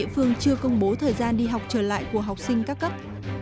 địa phương chưa công bố thời gian đi học trở lại của học sinh các cấp